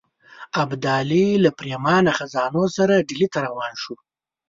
ابدالي له پرېمانه خزانو سره ډهلي ته روان شو.